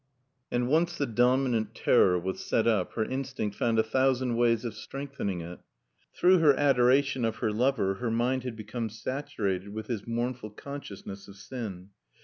And once the dominant terror was set up, her instinct found a thousand ways of strengthening it. Through her adoration of her lover her mind had become saturated with his mournful consciousness of sin.